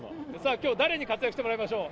きょう、誰に活躍してもらいましょう？